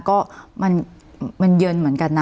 ก็มันเย็นเหมือนกันนะ